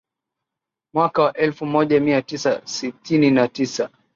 Mwaka wa elfu moja mia tisa sitini na tisa